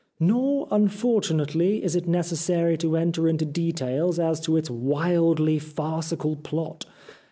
Nor, unfortunately, is it necessary to enter into details as to its wildly farcical plot.